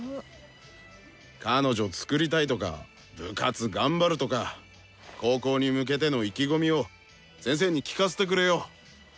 「彼女作りたい」とか「部活頑張る」とか高校に向けての意気込みを先生に聞かせてくれよ！